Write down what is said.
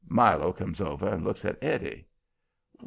Milo comes over and looks at Eddie.